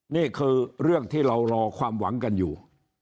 นี่คือเรื่องที่เรารอความหวังกันอยู่